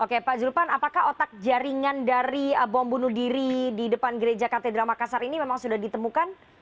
oke pak zulpan apakah otak jaringan dari bom bunuh diri di depan gereja katedral makassar ini memang sudah ditemukan